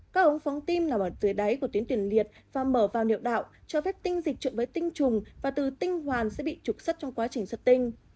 các ống phóng tim nằm ở dưới đáy của tuyến tuyển liệt và mở vào miệng đạo cho phép tinh dịch trộn với tinh trùng và từ tinh hoàn sẽ bị trục xuất trong quá trình xuất tinh